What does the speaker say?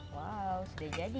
wow sudah jadi